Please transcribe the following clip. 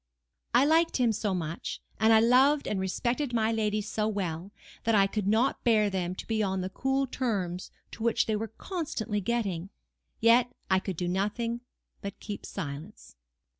I liked him so much, and I loved and respected my lady so well, that I could not bear them to be on the cool terms to which they were constantly getting. Yet I could do nothing but keep silence.